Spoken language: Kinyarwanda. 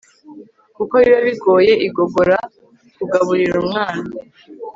kuko biba bigoye igogora Kugaburira umwana